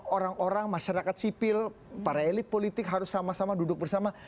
orang orang masyarakat sipil para elit politik harus sama sama duduk bersama